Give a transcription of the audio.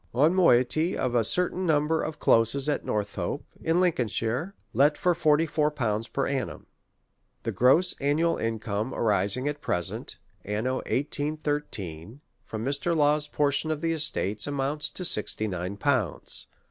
One moiety of a certain number of closes atNor thope, in Lincolnshire, let for fifty four pounds per annum. The gross annual income arising at present. Anno 1813, from Mr. Law's portion of the estates, amounts to sixty nine pounds.